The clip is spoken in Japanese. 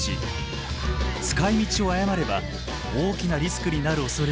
使いみちを誤れば大きなリスクになるおそれがあります。